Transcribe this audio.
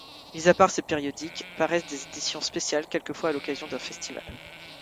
Mis à part ces périodiques, paraissent des éditions spéciales, quelquefois à l'occasion d'un festival.